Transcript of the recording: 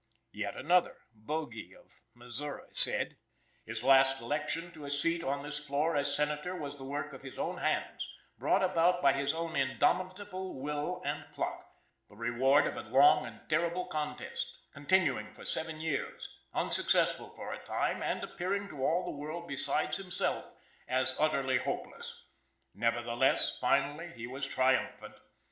Yet another (Bogy, of Missouri), said: "His last election to a seat on this floor as Senator was the work of his own hands, brought about by his own indomitable will and pluck, the reward of a long and terrible contest, continuing for seven years, unsuccessful for a time, and appearing to all the world besides himself as utterly hopeless; nevertheless, finally he was triumphant.